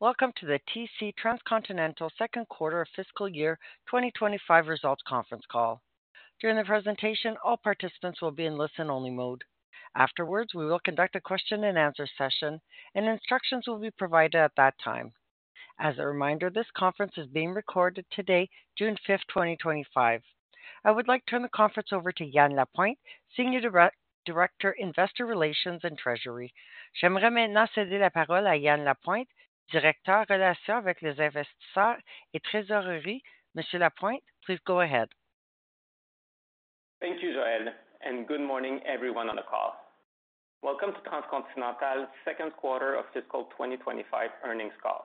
Welcome to the TC Transcontinental Second Quarter of Fiscal Year 2025 Results Conference Call. During the presentation, all participants will be in listen-only mode. Afterwards, we will conduct a question-and-answer session, and instructions will be provided at that time. As a reminder, this conference is being recorded today, June 5, 2025. I would like to turn the conference over to Yan Lapointe, Senior Director, Investor Relations and Treasury. J'aimerais maintenant céder la parole à Yan Lapointe, Directeur Relations avec les Investisseurs et Trésorerie. Mr. Lapointe, please go ahead. Thank you, Joanne, and good morning, everyone on the call. Welcome to Transcontinental Second Quarter of Fiscal 2025 Earnings Call.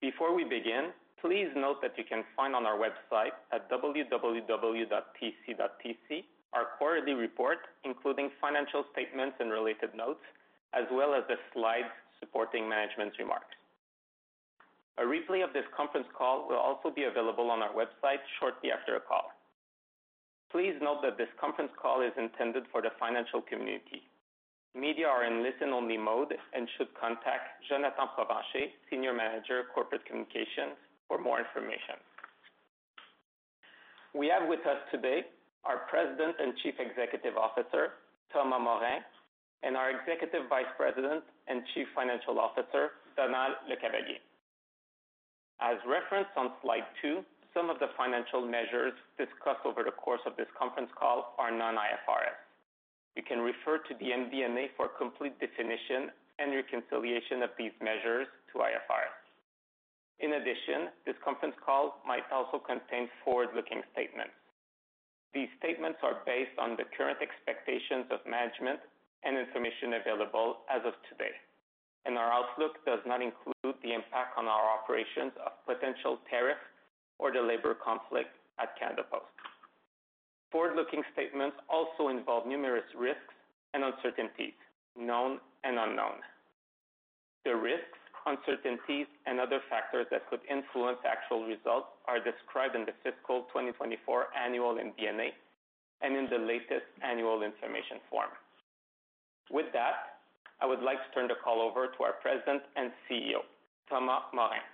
Before we begin, please note that you can find on our website at www.tc.tc our quarterly report, including financial statements and related notes, as well as the slides supporting management's remarks. A replay of this conference call will also be available on our website shortly after the call. Please note that this conference call is intended for the financial community. Media are in listen-only mode and should contact Jonathan Provencher, Senior Manager, Corporate Communications, for more information. We have with us today our President and Chief Executive Officer, Thomas Maurin, and our Executive Vice President and Chief Financial Officer, Donald LeCavalier. As referenced on Slide 2, some of the financial measures discussed over the course of this conference call are non-IFRS. You can refer to the MVMA for complete definition and reconciliation of these measures to IFRS. In addition, this conference call might also contain forward-looking statements. These statements are based on the current expectations of management and information available as of today, and our outlook does not include the impact on our operations of potential tariffs or the labor conflict at Canada Post. Forward-looking statements also involve numerous risks and uncertainties, known and unknown. The risks, uncertainties, and other factors that could influence actual results are described in the Fiscal 2024 Annual MVMA and in the latest Annual Information Form. With that, I would like to turn the call over to our President and CEO, Thomas Morin.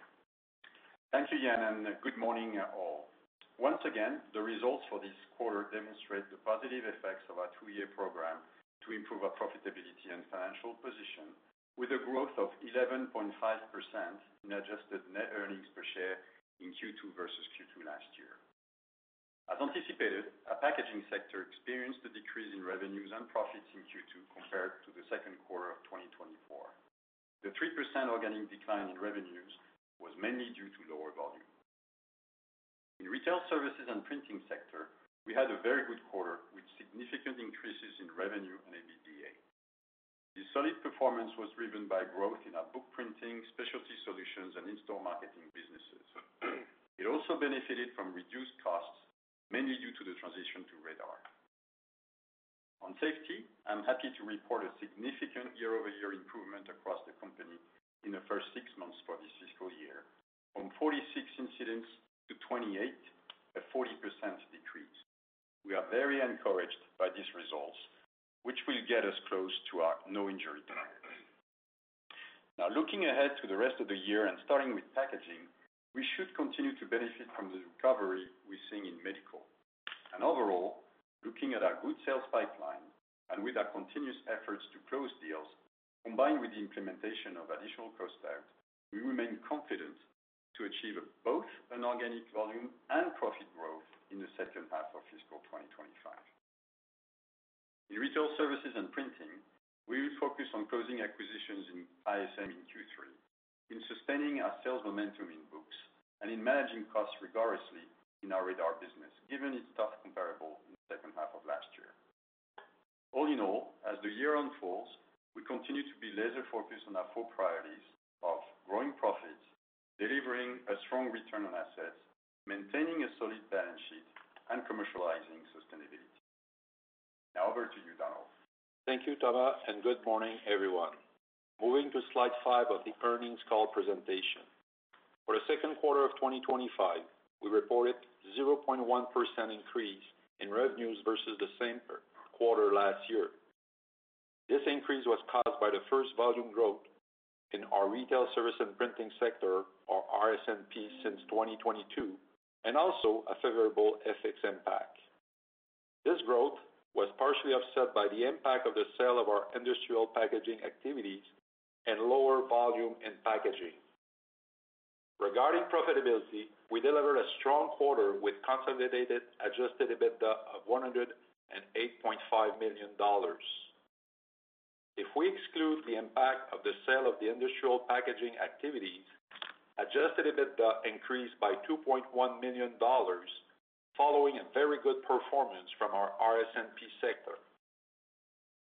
Thank you, Yan, and good morning all. Once again, the results for this quarter demonstrate the positive effects of our two-year program to improve our profitability and financial position, with a growth of 11.5% in adjusted net earnings per share in Q2 versus Q2 last year. As anticipated, our packaging sector experienced a decrease in revenues and profits in Q2 compared to the second quarter of 2024. The 3% organic decline in revenues was mainly due to lower volume. In the retail services and printing sector, we had a very good quarter with significant increases in revenue and EBITDA. This solid performance was driven by growth in our book printing, specialty solutions, and in-store marketing businesses. It also benefited from reduced costs, mainly due to the transition to Radar. On safety, I'm happy to report a significant year-over-year improvement across the company in the first six months for this fiscal year, from 46 incidents to 28, a 40% decrease. We are very encouraged by these results, which will get us close to our no-injury target. Now, looking ahead to the rest of the year and starting with packaging, we should continue to benefit from the recovery we're seeing in medical. Overall, looking at our good sales pipeline and with our continuous efforts to close deals, combined with the implementation of additional cost out, we remain confident to achieve both an organic volume and profit growth in the second half of fiscal 2025. In retail services and printing, we will focus on closing acquisitions in ISM in Q3, in sustaining our sales momentum in books, and in managing costs rigorously in our Radar business, given its tough comparable second half of last year. All in all, as the year unfolds, we continue to be laser-focused on our four priorities of growing profits, delivering a strong return on assets, maintaining a solid balance sheet, and commercializing sustainability. Now, over to you, Donald. Thank you, Thomas, and good morning, everyone. Moving to Slide 5 of the earnings call presentation. For the second quarter of 2025, we reported a 0.1% increase in revenues versus the same quarter last year. This increase was caused by the first volume growth in our retail service and printing sector, or RS&P, since 2022, and also a favorable FX impact. This growth was partially offset by the impact of the sale of our industrial packaging activities and lower volume in packaging. Regarding profitability, we delivered a strong quarter with consolidated adjusted EBITDA of $108.5 million. If we exclude the impact of the sale of the industrial packaging activities, adjusted EBITDA increased by $2.1 million following a very good performance from our RS&P sector.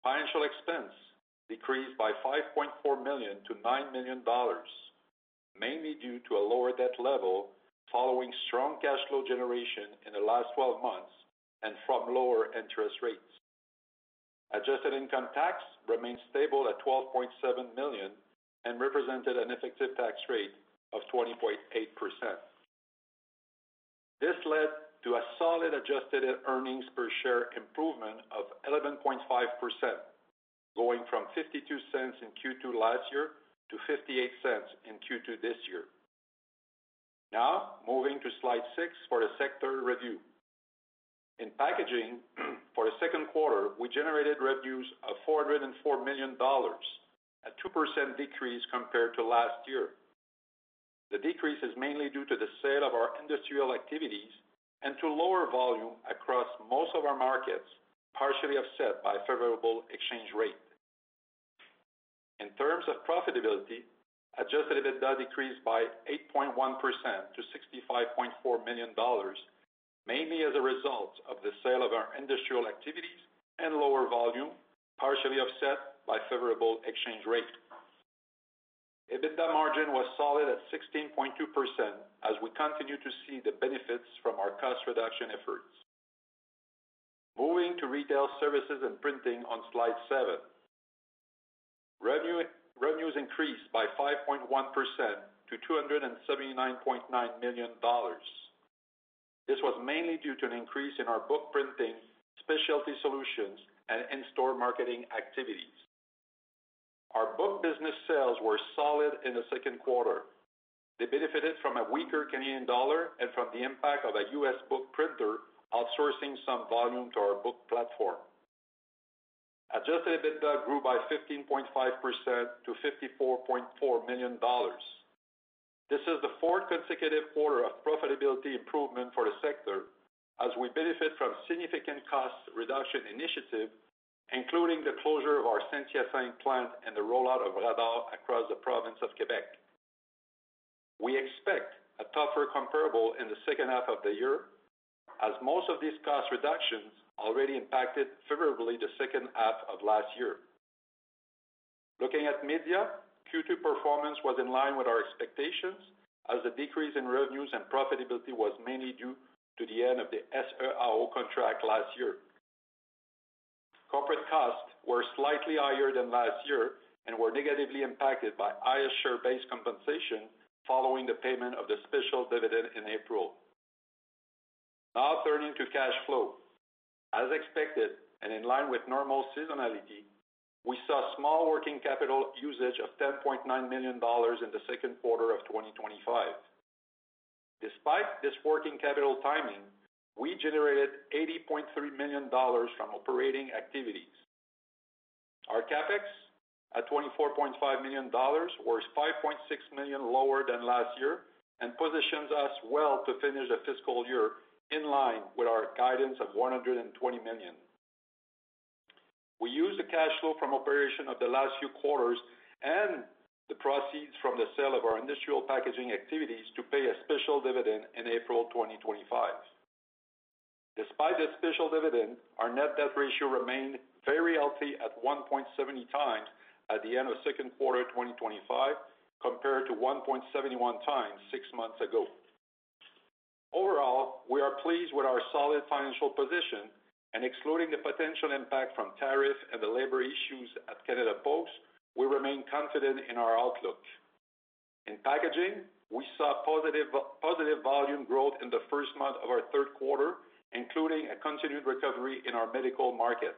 Financial expense decreased by $5.4 million to $9 million, mainly due to a lower debt level following strong cash flow generation in the last 12 months and from lower interest rates. Adjusted income tax remained stable at $12.7 million and represented an effective tax rate of 20.8%. This led to a solid adjusted earnings per share improvement of 11.5%, going from $0.52 in Q2 last year to $0.58 in Q2 this year. Now, moving to Slide 6 for the sector review. In packaging, for the second quarter, we generated revenues of $404 million, a 2% decrease compared to last year. The decrease is mainly due to the sale of our industrial activities and to lower volume across most of our markets, partially offset by a favorable exchange rate. In terms of profitability, adjusted EBITDA decreased by 8.1% to 65.4 million dollars, mainly as a result of the sale of our industrial activities and lower volume, partially offset by a favorable exchange rate. EBITDA margin was solid at 16.2% as we continue to see the benefits from our cost reduction efforts. Moving to retail services and printing on Slide 7. Revenues increased by 5.1% to 279.9 million dollars. This was mainly due to an increase in our book printing, specialty solutions, and in-store marketing activities. Our book business sales were solid in the second quarter. They benefited from a weaker Canadian dollar and from the impact of a U.S. book printer outsourcing some volume to our book platform. Adjusted EBITDA grew by 15.5% to 54.4 million dollars. This is the fourth consecutive quarter of profitability improvement for the sector as we benefit from significant cost reduction initiatives, including the closure of our Saint-Hyacinthe plant and the rollout of Radar across the province of Quebec. We expect a tougher comparable in the second half of the year as most of these cost reductions already impacted favorably the second half of last year. Looking at media, Q2 performance was in line with our expectations as the decrease in revenues and profitability was mainly due to the end of the SRRO contract last year. Corporate costs were slightly higher than last year and were negatively impacted by ISR-based compensation following the payment of the special dividend in April. Now, turning to cash flow. As expected and in line with normal seasonality, we saw small working capital usage of 10.9 million dollars in the second quarter of 2025. Despite this working capital timing, we generated $80.3 million from operating activities. Our CapEx, at $24.5 million, was $5.6 million lower than last year and positions us well to finish the fiscal year in line with our guidance of $120 million. We used the cash flow from operation of the last few quarters and the proceeds from the sale of our industrial packaging activities to pay a special dividend in April 2025. Despite the special dividend, our net debt ratio remained very healthy at 1.70 times at the end of second quarter 2025 compared to 1.71 times six months ago. Overall, we are pleased with our solid financial position, and excluding the potential impact from tariffs and the labor issues at Canada Post, we remain confident in our outlook. In packaging, we saw positive volume growth in the first month of our third quarter, including a continued recovery in our medical market.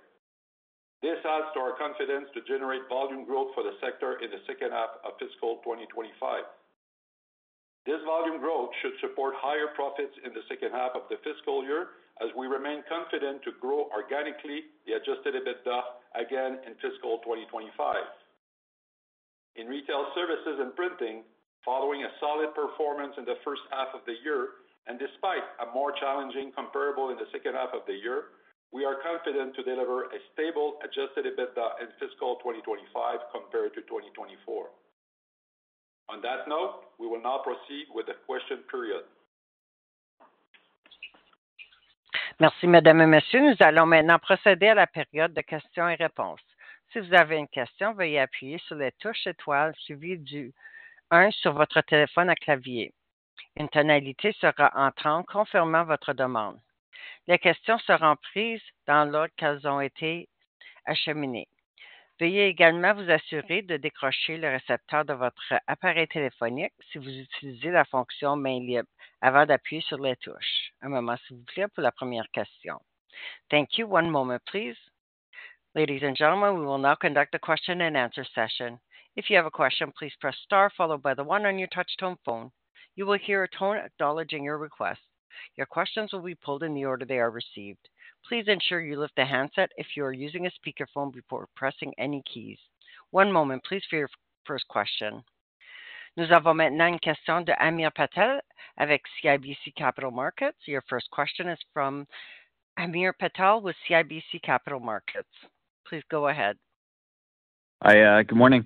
This adds to our confidence to generate volume growth for the sector in the second half of fiscal 2025. This volume growth should support higher profits in the second half of the fiscal year as we remain confident to grow organically the adjusted EBITDA again in fiscal 2025. In retail services and printing, following a solid performance in the first half of the year and despite a more challenging comparable in the second half of the year, we are confident to deliver a stable adjusted EBITDA in fiscal 2025 compared to 2024. On that note, we will now proceed with the question period. Merci, Mesdames et Messieurs. Nous allons maintenant procéder à la période de questions et réponses. Si vous avez une question, veuillez appuyer sur les touches étoile suivies du 1 sur votre téléphone à clavier. Une tonalité sera entrante confirmant votre demande. Les questions seront prises dans l'ordre qu'elles ont été acheminées. Veuillez également vous assurer de décrocher le récepteur de votre appareil téléphonique si vous utilisez la fonction mains libres avant d'appuyer sur les touches. Un moment, s'il vous plaît, pour la première question. Thank you. One moment, please. Ladies and gentlemen, we will now conduct the question and answer session. If you have a question, please press star followed by the one on your touch-tone phone. You will hear a tone acknowledging your request. Your questions will be pulled in the order they are received. Please ensure you lift the handset if you are using a speakerphone before pressing any keys. One moment, please, for your first question. Nous avons maintenant une question de Hamir Patel avec CIBC Capital Markets. Your first question is from Hamir Patel with CIBC Capital Markets. Please go ahead. Hi, good morning.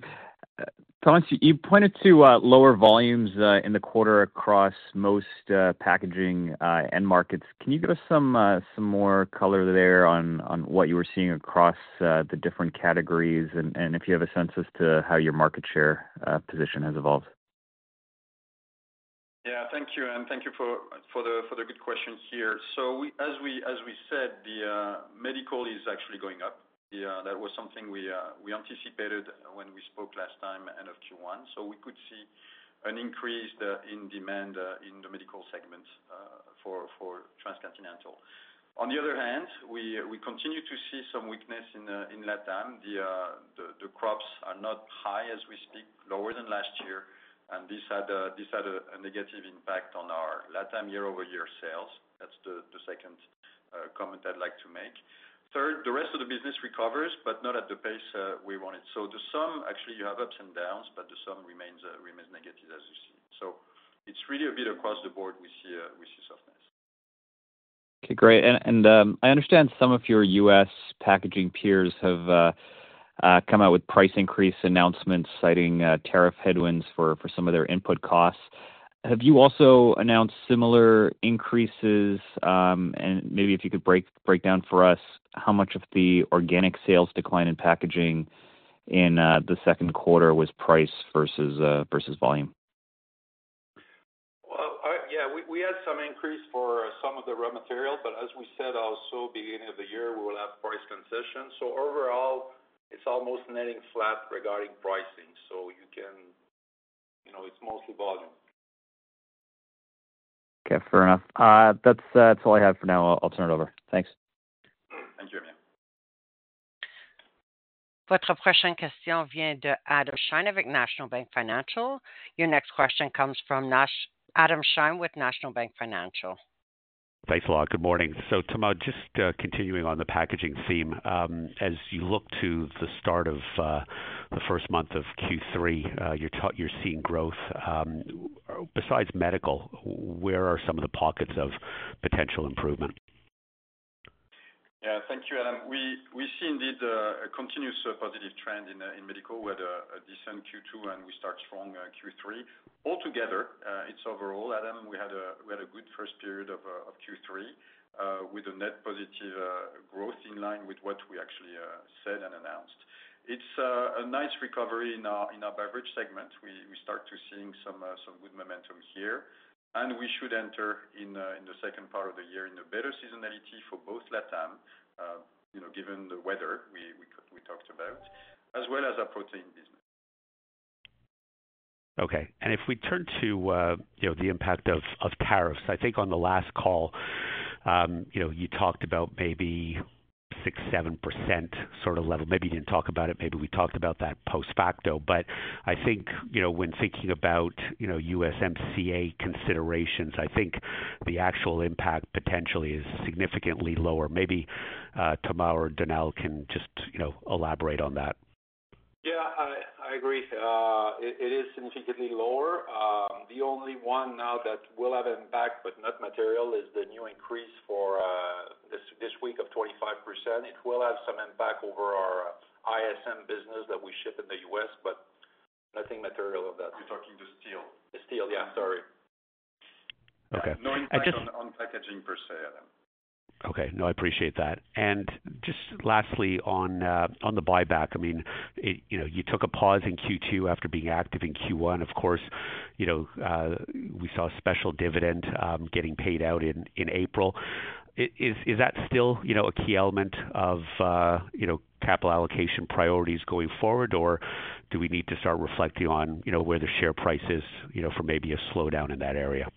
Thomas, you pointed to lower volumes in the quarter across most packaging and markets. Can you give us some more color there on what you were seeing across the different categories and if you have a sense as to how your market share position has evolved? Yeah, thank you, Anne. Thank you for the good question here. As we said, the medical is actually going up. That was something we anticipated when we spoke last time at end of Q1. We could see an increase in demand in the medical segment for Transcontinental. On the other hand, we continue to see some weakness in Latin America. The crops are not high as we speak, lower than last year, and this had a negative impact on our Latin America year-over-year sales. That is the second comment I'd like to make. Third, the rest of the business recovers, but not at the pace we wanted. The sum, actually, you have ups and downs, but the sum remains negative, as you see. It is really a bit across the board we see softness. Okay, great. I understand some of your U.S. packaging peers have come out with price increase announcements citing tariff headwinds for some of their input costs. Have you also announced similar increases? Maybe if you could break down for us how much of the organic sales decline in packaging in the second quarter was price versus volume? Yeah, we had some increase for some of the raw material, but as we said also at the beginning of the year, we will have price transition. Overall, it's almost netting flat regarding pricing. You can, you know, it's mostly volume. Okay, fair enough. That's all I have for now. I'll turn it over. Thanks. Thank you, Hamir. Votre prochaine question vient d'Adam Shine avec National Bank Financial. Your next question comes from Adam Shine with National Bank Financial. Thanks a lot. Good morning. Thomas, just continuing on the packaging theme, as you look to the start of the first month of Q3, you're seeing growth. Besides medical, where are some of the pockets of potential improvement? Yeah, thank you, Adam. We see indeed a continuous positive trend in medical. We had a decent Q2, and we start strong Q3. Altogether, it's overall, Adam, we had a good first period of Q3 with a net positive growth in line with what we actually said and announced. It's a nice recovery in our beverage segment. We start to see some good momentum here, and we should enter in the second part of the year in a better seasonality for both Latin America, you know, given the weather we talked about, as well as our protein business. Okay. If we turn to the impact of tariffs, I think on the last call, you talked about maybe 6%-7% sort of level. Maybe you did not talk about it. Maybe we talked about that post facto, but I think when thinking about USMCA considerations, I think the actual impact potentially is significantly lower. Maybe Thomas or Donald can just elaborate on that. Yeah, I agree. It is significantly lower. The only one now that will have an impact, but not material, is the new increase for this week of 25%. It will have some impact over our ISM business that we ship in the U.S., but nothing material on that. You're talking the steel? The steel, yeah, sorry. Okay. No impact on packaging per se, Adam. Okay. No, I appreciate that. And just lastly, on the buyback, I mean, you took a pause in Q2 after being active in Q1. Of course, we saw a special dividend getting paid out in April. Is that still a key element of capital allocation priorities going forward, or do we need to start reflecting on where the share price is for maybe a slowdown in that area?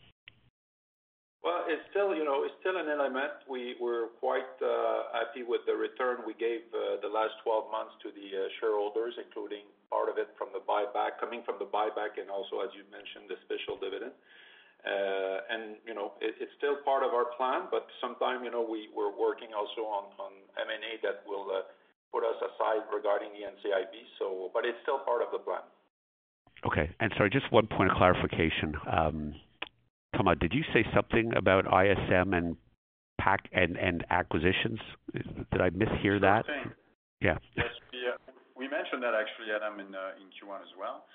It is still an element. We are quite happy with the return we gave the last 12 months to the shareholders, including part of it coming from the buyback and also, as you mentioned, the special dividend. It is still part of our plan, but sometimes we are working also on M&A that will put us aside regarding the NCIB. It is still part of the plan. Okay. Sorry, just one point of clarification. Thomas, did you say something about ISM and acquisitions? Did I mishear that? Yes, we mentioned that actually, Adam, in Q1 as well.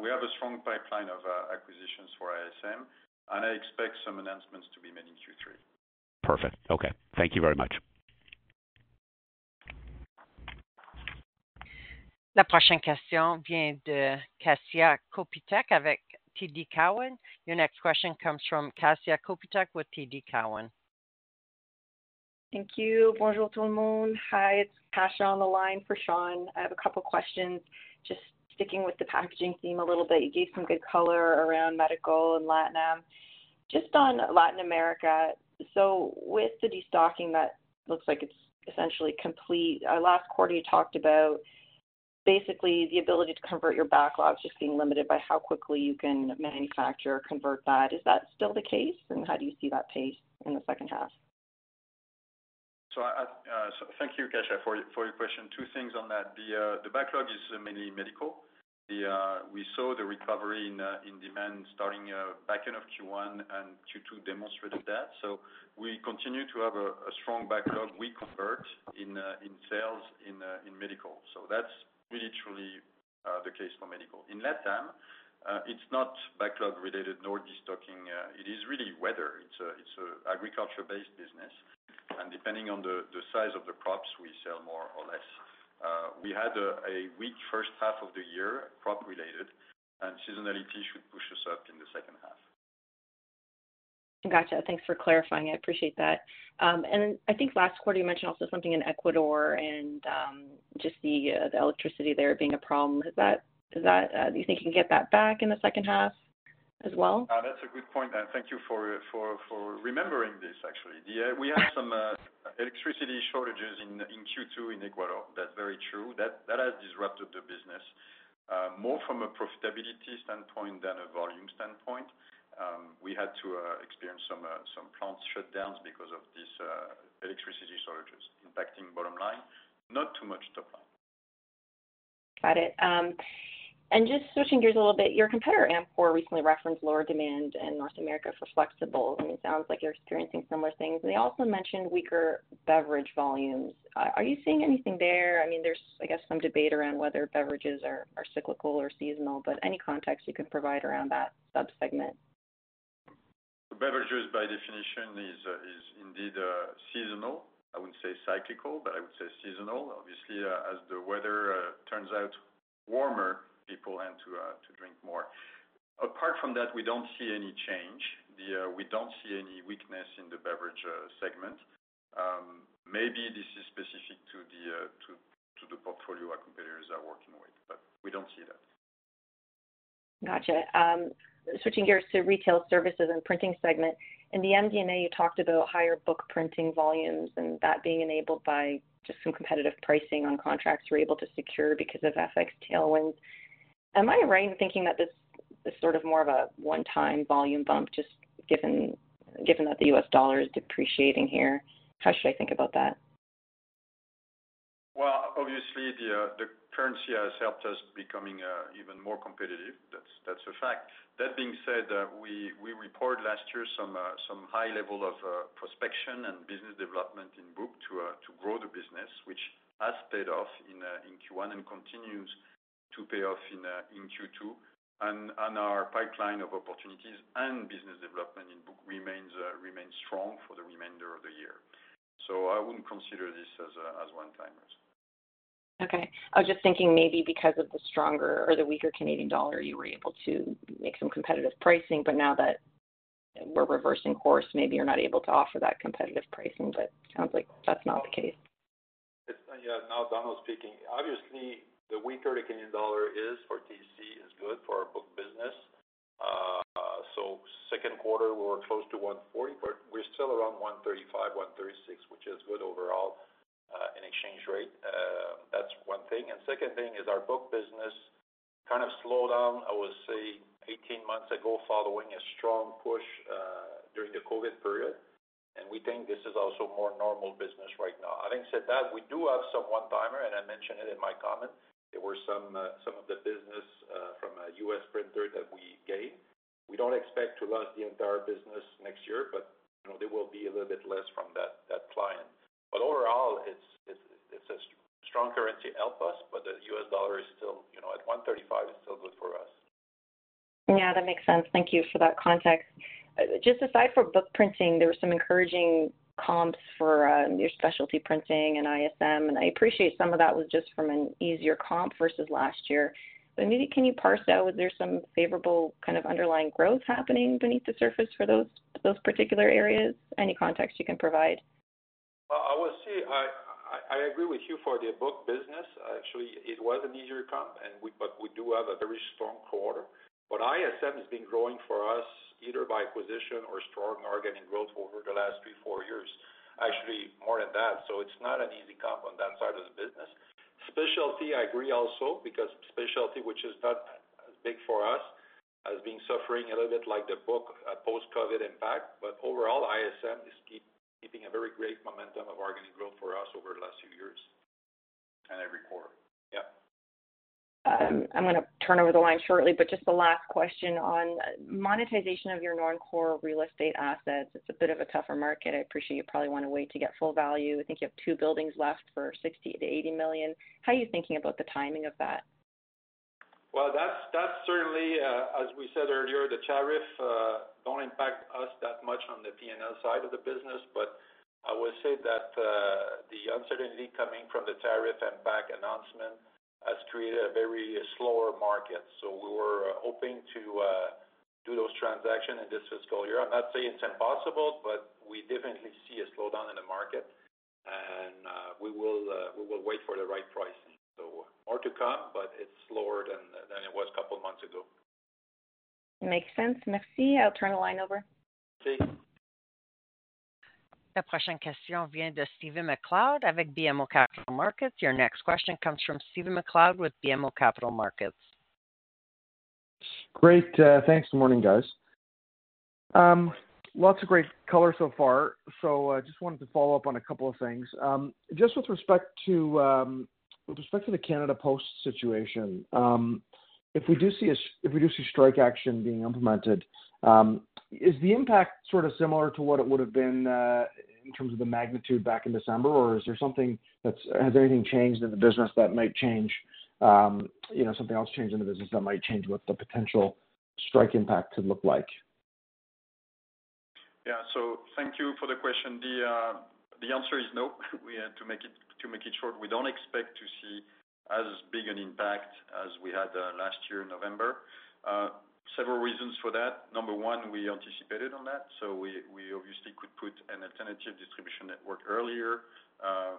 We have a strong pipeline of acquisitions for ISM, and I expect some announcements to be made in Q3. Perfect. Okay. Thank you very much. La prochaine question vient de Kasia Trzaski Kopytek avec TD Cowen. Your next question comes from Kasia Trzaski Kopytek with TD Cowen. Thank you. Bonjour, tout le monde. Hi, it's Kasia on the line for Sean. I have a couple of questions, just sticking with the packaging theme a little bit. You gave some good color around medical and LATAM. Just on Latin America, so with the destocking, that looks like it's essentially complete. Last quarter, you talked about basically the ability to convert your backlog, just being limited by how quickly you can manufacture or convert that. Is that still the case, and how do you see that pace in the second half? Thank you, Kasia, for your question. Two things on that. The backlog is mainly medical. We saw the recovery in demand starting back end of Q1, and Q2 demonstrated that. We continue to have a strong backlog. We convert in sales in medical. That is really, truly the case for medical. In Latin America, it is not backlog related nor destocking. It is really weather. It is an agriculture-based business. Depending on the size of the crops, we sell more or less. We had a weak first half of the year crop-related, and seasonality should push us up in the second half. Gotcha. Thanks for clarifying. I appreciate that. I think last quarter, you mentioned also something in Ecuador and just the electricity there being a problem. Do you think you can get that back in the second half as well? That's a good point, and thank you for remembering this, actually. We had some electricity shortages in Q2 in Ecuador. That's very true. That has disrupted the business, more from a profitability standpoint than a volume standpoint. We had to experience some plant shutdowns because of these electricity shortages impacting bottom line, not too much top line. Got it. Just switching gears a little bit, your competitor, Amcor, recently referenced lower demand in North America for flexible, and it sounds like you're experiencing similar things. They also mentioned weaker beverage volumes. Are you seeing anything there? I mean, there's, I guess, some debate around whether beverages are cyclical or seasonal, but any context you can provide around that subsegment? Beverages, by definition, is indeed seasonal. I would not say cyclical, but I would say seasonal. Obviously, as the weather turns out warmer, people tend to drink more. Apart from that, we do not see any change. We do not see any weakness in the beverage segment. Maybe this is specific to the portfolio our competitors are working with, but we do not see that. Gotcha. Switching gears to retail services and printing segment. In the MD&A, you talked about higher book printing volumes and that being enabled by just some competitive pricing on contracts you were able to secure because of FX tailwinds. Am I right in thinking that this is sort of more of a one-time volume bump, just given that the U.S. dollar is depreciating here? How should I think about that? Obviously, the currency has helped us becoming even more competitive. That's a fact. That being said, we reported last year some high level of prospection and business development in book to grow the business, which has paid off in Q1 and continues to pay off in Q2. Our pipeline of opportunities and business development in book remains strong for the remainder of the year. I wouldn't consider this as one-timers. Okay. I was just thinking maybe because of the stronger or the weaker Canadian dollar, you were able to make some competitive pricing, but now that we're reversing course, maybe you're not able to offer that competitive pricing, but it sounds like that's not the case. Yeah, now Donald speaking. Obviously, the weaker the Canadian dollar is for TC is good for our book business. Second quarter, we were close to 1.40, but we're still around 1.35, 1.36, which is good overall in exchange rate. That's one thing. Second thing is our book business kind of slowed down, I would say, 18 months ago following a strong push during the COVID period. We think this is also more normal business right now. Having said that, we do have some one-timer, and I mentioned it in my comment. There were some of the business from a U.S. printer that we gave. We do not expect to lose the entire business next year, but there will be a little bit less from that client. Overall, it's a strong currency to help us, but the U.S. dollar is still at 1.35 is still good for us. Yeah, that makes sense. Thank you for that context. Just aside from book printing, there were some encouraging comps for your specialty printing and ISM, and I appreciate some of that was just from an easier comp versus last year. Maybe can you parse out, was there some favorable kind of underlying growth happening beneath the surface for those particular areas? Any context you can provide? I will say I agree with you for the book business. Actually, it was an easier comp, but we do have a very strong quarter. ISM has been growing for us either by acquisition or strong organic growth over the last three, four years, actually more than that. It is not an easy comp on that side of the business. Specialty, I agree also, because specialty, which is not as big for us, has been suffering a little bit like the book post-COVID impact. Overall, ISM is keeping a very great momentum of organic growth for us over the last few years and every quarter. Yeah. I'm going to turn over the line shortly, but just the last question on monetization of your non-core real estate assets. It's a bit of a tougher market. I appreciate you probably want to wait to get full value. I think you have two buildings left for 60 million-80 million. How are you thinking about the timing of that? As we said earlier, the tariffs do not impact us that much on the P&L side of the business, but I would say that the uncertainty coming from the tariff and back announcement has created a very slower market. We were hoping to do those transactions in this fiscal year. I am not saying it is impossible, but we definitely see a slowdown in the market, and we will wait for the right pricing. More to come, but it is slower than it was a couple of months ago. Makes sense. Merci. I'll turn the line over. Thanks. The question comes from Steven McLeod with BMO Capital Markets. Your next question comes from Steven McLeod with BMO Capital Markets. Great. Thanks. Good morning, guys. Lots of great color so far. I just wanted to follow up on a couple of things. Just with respect to the Canada Post situation, if we do see a strike action being implemented, is the impact sort of similar to what it would have been in terms of the magnitude back in December, or is there something that's—has anything changed in the business that might change? Something else change in the business that might change what the potential strike impact could look like? Yeah. Thank you for the question. The answer is no. To make it short, we do not expect to see as big an impact as we had last year in November. Several reasons for that. Number one, we anticipated on that. We obviously could put an alternative distribution network earlier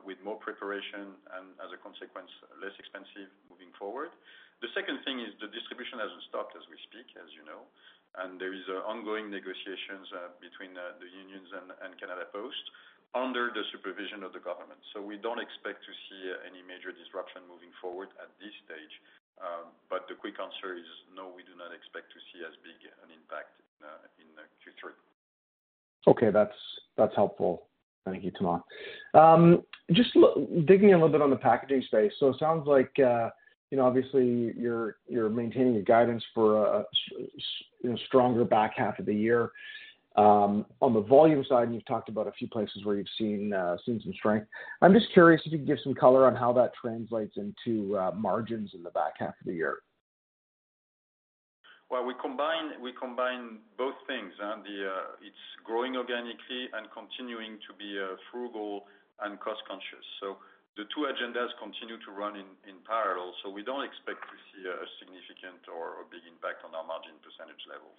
with more preparation and, as a consequence, less expensive moving forward. The second thing is the distribution has not stopped as we speak, as you know, and there are ongoing negotiations between the unions and Canada Post under the supervision of the government. We do not expect to see any major disruption moving forward at this stage. The quick answer is no, we do not expect to see as big an impact in Q3. Okay. That's helpful. Thank you, Thomas. Just digging in a little bit on the packaging space. It sounds like obviously you're maintaining your guidance for a stronger back half of the year. On the volume side, you've talked about a few places where you've seen some strength. I'm just curious if you could give some color on how that translates into margins in the back half of the year. We combine both things. It's growing organically and continuing to be frugal and cost-conscious. The two agendas continue to run in parallel. We don't expect to see a significant or big impact on our margin percentage levels.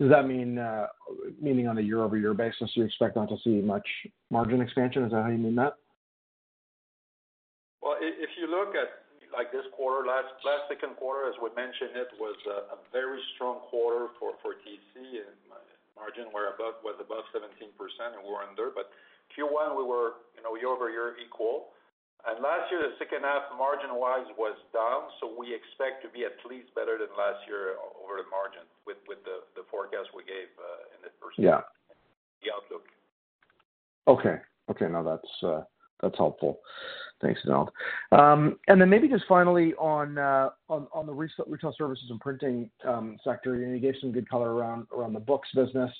Does that mean on a year-over-year basis, you expect not to see much margin expansion? Is that how you mean that? If you look at this quarter, last second quarter, as we mentioned, it was a very strong quarter for TC, and margin was above 17%, and we were under. Q1, we were year-over-year equal. Last year, the second half margin-wise was down. We expect to be at least better than last year over the margin with the forecast we gave in the outlook. Okay. Okay. No, that's helpful. Thanks, Donald. Maybe just finally on the retail services and printing sector, you gave some good color around the books business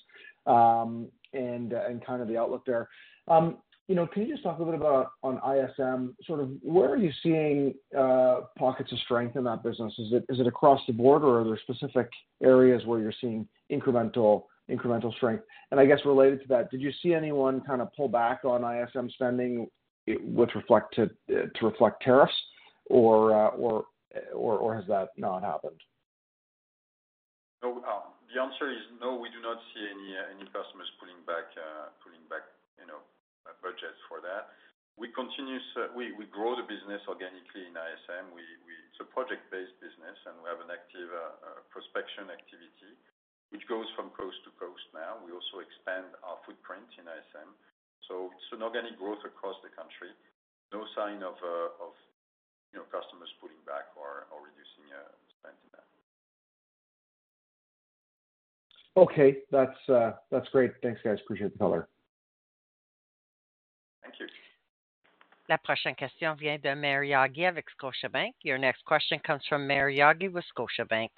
and kind of the outlook there. Can you just talk a little bit about on ISM, sort of where are you seeing pockets of strength in that business? Is it across the board, or are there specific areas where you're seeing incremental strength? I guess related to that, did you see anyone kind of pull back on ISM spending to reflect tariffs, or has that not happened? The answer is no, we do not see any customers pulling back budgets for that. We grow the business organically in ISM. It's a project-based business, and we have an active prospection activity, which goes from coast to coast now. We also expand our footprint in ISM. It's an organic growth across the country. No sign of customers pulling back or reducing spending in that. Okay. That's great. Thanks, guys. Appreciate the color. Thank you. La prochaine question vient de Mary Augie avec Scotiabank. Your next question comes from Mary Augie with Scotiabank.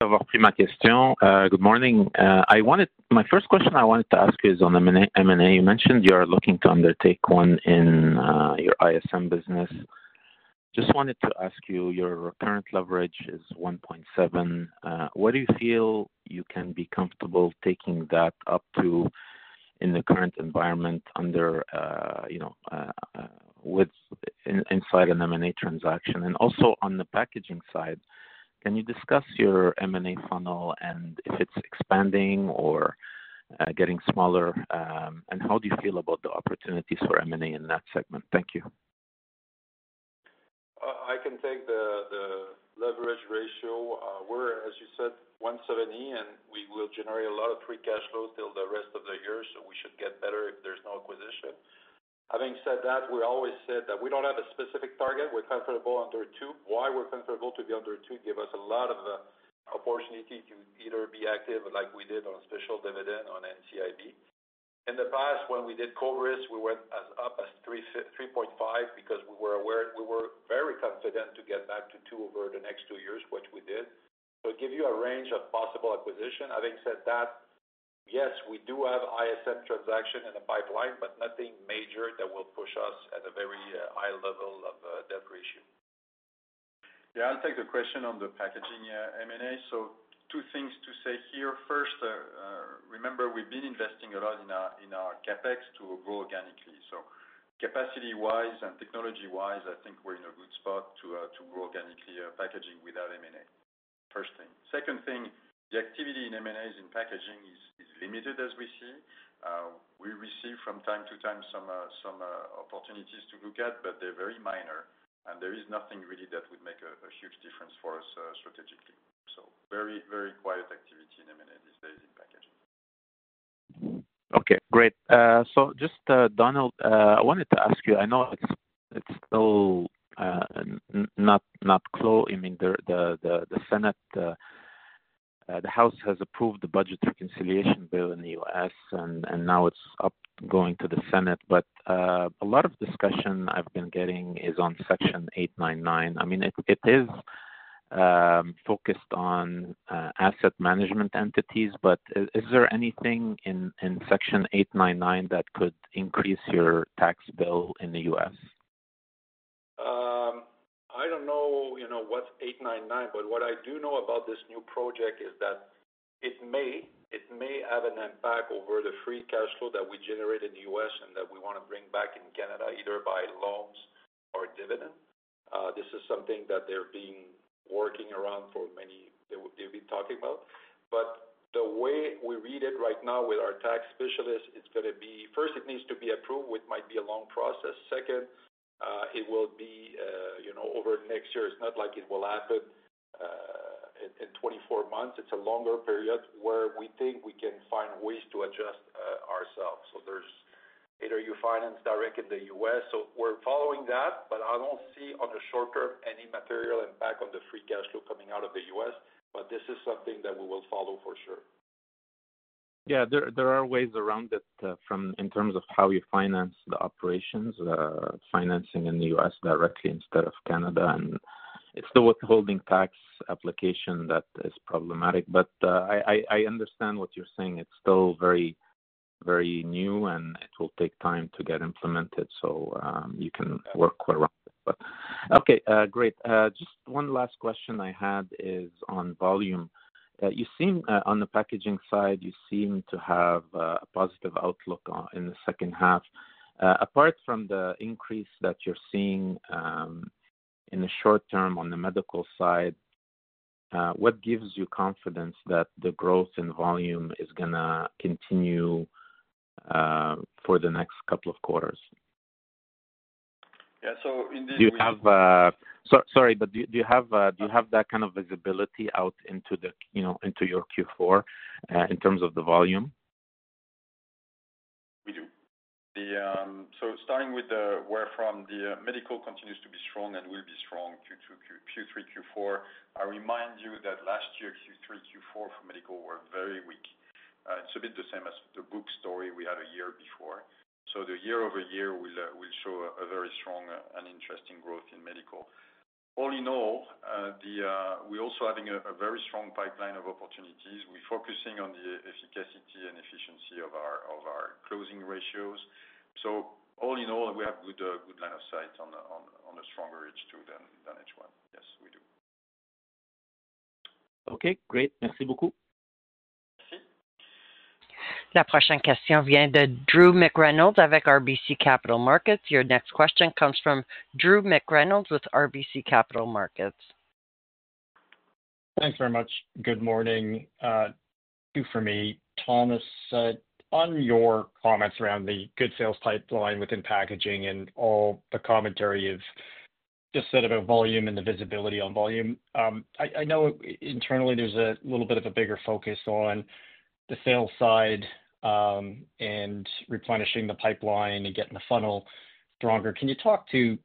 Have you all read my question? Good morning. My first question I wanted to ask you is on M&A. You mentioned you are looking to undertake one in your ISM business. Just wanted to ask you, your current leverage is 1.7. Where do you feel you can be comfortable taking that up to in the current environment inside an M&A transaction? Also on the packaging side, can you discuss your M&A funnel and if it's expanding or getting smaller, and how do you feel about the opportunities for M&A in that segment? Thank you. I can take the leverage ratio. We're, as you said, 1.70, and we will generate a lot of free cash flow till the rest of the year, so we should get better if there's no acquisition. Having said that, we always said that we don't have a specific target. We're comfortable under 2. Why we're comfortable to be under 2 gives us a lot of opportunity to either be active like we did on special dividend on NCIB. In the past, when we did COBRIS, we went as up as 3.5 because we were very confident to get back to 2 over the next two years, which we did. It gives you a range of possible acquisition. Having said that, yes, we do have ISM transaction in the pipeline, but nothing major that will push us at a very high level of debt ratio. Yeah, I'll take the question on the packaging M&A. Two things to say here. First, remember we've been investing a lot in our CapEx to grow organically. Capacity-wise and technology-wise, I think we're in a good spot to grow organically packaging without M&A. First thing. Second thing, the activity in M&As in packaging is limited as we see. We receive from time to time some opportunities to look at, but they're very minor. There is nothing really that would make a huge difference for us strategically. Very, very quiet activity in M&A these days in packaging. Okay. Great. Just, Donald, I wanted to ask you, I know it's still not closed. I mean, the Senate, the House has approved the budget reconciliation bill in the U.S., and now it's up going to the Senate. A lot of discussion I've been getting is on Section 899. I mean, it is focused on asset management entities, but is there anything in Section 899 that could increase your tax bill in the U.S.? I don't know what 899, but what I do know about this new project is that it may have an impact over the free cash flow that we generate in the U.S. and that we want to bring back in Canada either by loans or dividend. This is something that they're working around for many. They've been talking about. The way we read it right now with our tax specialists, it's going to be first, it needs to be approved, which might be a long process. Second, it will be over next year. It's not like it will happen in 24 months. It's a longer period where we think we can find ways to adjust ourselves. There's either you finance direct in the U.S. We're following that, but I don't see on the short term any material impact on the free cash flow coming out of the U.S. This is something that we will follow for sure. Yeah. There are ways around it in terms of how you finance the operations, financing in the U.S. directly instead of Canada. It is the withholding tax application that is problematic. I understand what you're saying. It is still very new, and it will take time to get implemented. You can work around it. Okay. Great. Just one last question I had is on volume. On the packaging side, you seem to have a positive outlook in the second half. Apart from the increase that you're seeing in the short term on the medical side, what gives you confidence that the growth in volume is going to continue for the next couple of quarters? Yeah. In this. Do you have—sorry, but do you have that kind of visibility out into your Q4 in terms of the volume? We do. Starting with where from, the medical continues to be strong and will be strong Q3, Q4. I remind you that last year, Q3, Q4 for medical were very weak. It's a bit the same as the book story we had a year before. The year over year will show a very strong and interesting growth in medical. All in all, we're also having a very strong pipeline of opportunities. We're focusing on the efficacy and efficiency of our closing ratios. All in all, we have a good line of sight on a stronger H2 than H1. Yes, we do. Okay. Great. Merci beaucoup. Merci. La prochaine question vient de Drew McReynolds with RBC Capital Markets. Your next question comes from Drew McReynolds with RBC Capital Markets. Thanks very much. Good morning. Thank you for me. Thomas, on your comments around the good sales pipeline within packaging and all the commentary you've just said about volume and the visibility on volume, I know internally there's a little bit of a bigger focus on the sales side and replenishing the pipeline and getting the funnel stronger. Can you talk to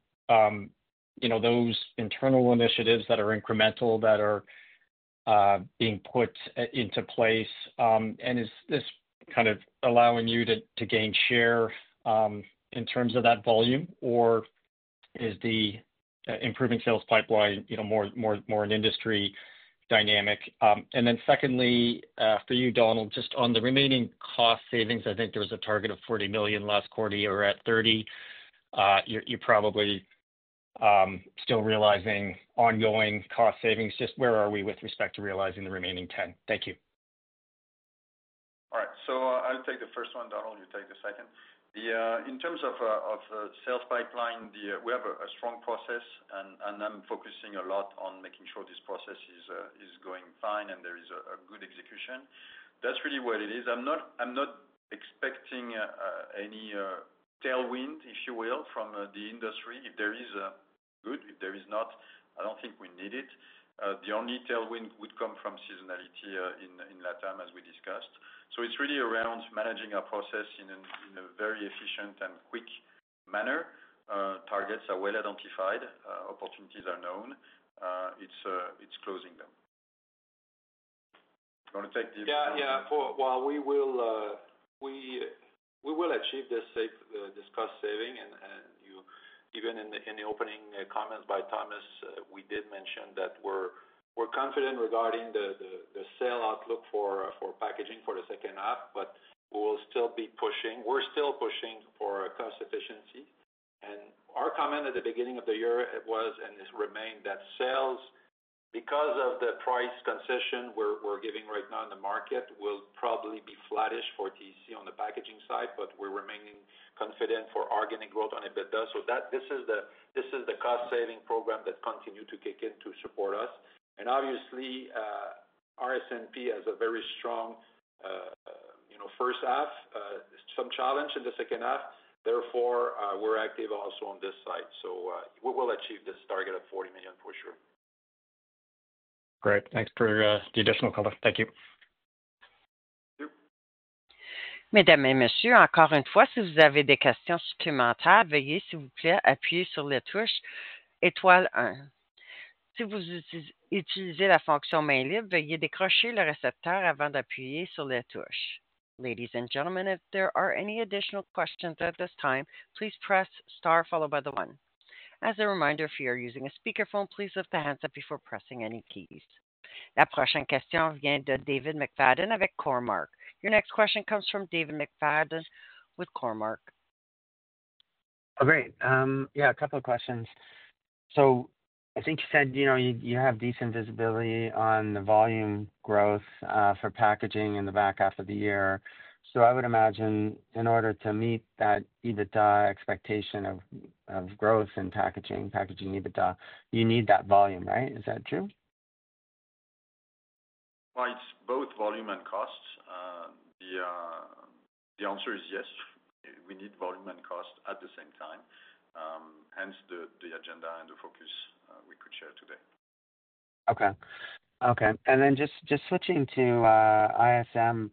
those internal initiatives that are incremental that are being put into place? Is this kind of allowing you to gain share in terms of that volume, or is the improving sales pipeline more an industry dynamic? Secondly, for you, Donald, just on the remaining cost savings, I think there was a target of $40 million last quarter; you were at $30 million. You're probably still realizing ongoing cost savings. Where are we with respect to realizing the remaining $10 million? Thank you. All right. I'll take the first one, Donald. You take the second. In terms of the sales pipeline, we have a strong process, and I'm focusing a lot on making sure this process is going fine and there is a good execution. That's really what it is. I'm not expecting any tailwind, if you will, from the industry. If there is, good. If there is not, I don't think we need it. The only tailwind would come from seasonality in that time, as we discussed. It is really around managing our process in a very efficient and quick manner. Targets are well identified. Opportunities are known. It's closing them. I'm going to take the. Yeah. Yeah. We will achieve this cost saving. Even in the opening comments by Thomas, we did mention that we're confident regarding the sale outlook for packaging for the second half, but we're still pushing. We're still pushing for cost efficiency. Our comment at the beginning of the year was, and it remained, that sales, because of the price concession we're giving right now in the market, will probably be flattish for TC on the packaging side, but we're remaining confident for organic growth on EBITDA. This is the cost-saving program that continues to kick in to support us. Obviously, RS&P has a very strong first half, some challenge in the second half. Therefore, we're active also on this side. We will achieve this target of $40 million for sure. Great. Thanks for the additional color. Thank you. Mesdames et messieurs, encore une fois, si vous avez des questions supplémentaires, veuillez, s'il vous plaît, appuyer sur les touches étoile 1. Si vous utilisez la fonction main libre, veuillez décrocher le récepteur avant d'appuyer sur les touches. Ladies and gentlemen, if there are any additional questions at this time, please press star followed by the one. As a reminder, if you are using a speakerphone, please lift the handset before pressing any keys. La prochaine question vient de David McFadden with Cormorant. Your next question comes from David McFadden with Cormorant. Great. Yeah, a couple of questions. I think you said you have decent visibility on the volume growth for packaging in the back half of the year. I would imagine in order to meet that EBITDA expectation of growth in packaging, packaging EBITDA, you need that volume, right? Is that true? It is both volume and cost. The answer is yes. We need volume and cost at the same time. Hence the agenda and the focus we could share today. Okay. Okay. And then just switching to ISM,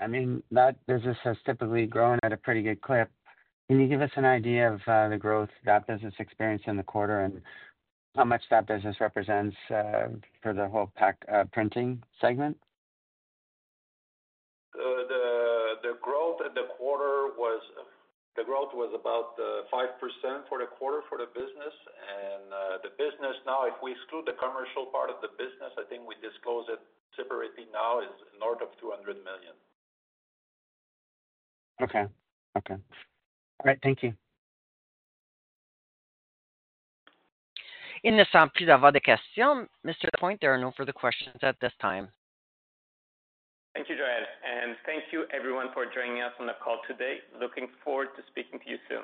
I mean, that business has typically grown at a pretty good clip. Can you give us an idea of the growth that business experienced in the quarter, and how much that business represents for the whole printing segment? The growth in the quarter was about 5% for the quarter for the business. The business now, if we exclude the commercial part of the business, I think we disclose it separately now, is north of $200 million. Okay. Okay. All right. Thank you. Il ne semble plus avoir de questions. Mr. Lapointe, there are no further questions at this time. Thank you, Joanne. Thank you, everyone, for joining us on the call today. Looking forward to speaking to you soon.